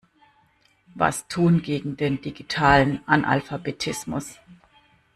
Was tun gegen den digitalen Analphabetismus?